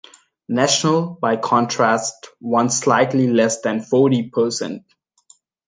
National, by contrast, won slightly less than forty percent.